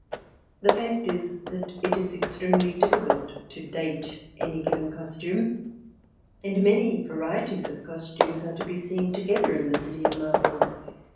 The fact is that it is extremely difficult to date any given costume — and many varieties of costumes are to be seen together in the city of Marburg.